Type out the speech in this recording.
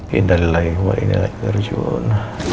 hindari lah ya mbak hindari lah ya rujun